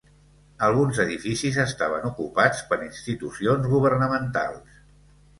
Alguns edificis estaven ocupats per institucions governamentals.